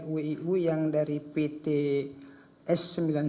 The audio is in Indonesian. wiu yang dari pt s sembilan puluh sembilan